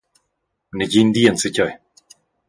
Negin di enzatgei.